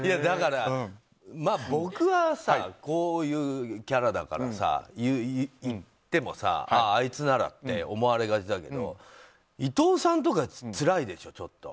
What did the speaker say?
だから、僕はさこういうキャラだからさ言ってもあいつならって思われがちだけど伊藤さんとか、つらいでしょ。